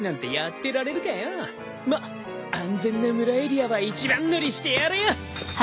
まっ安全な村エリアは一番乗りしてやるよ！